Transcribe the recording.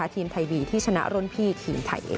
ทีมไทยบีทีมไทยทิชนะรุ่นพี่ที่ไทยเอ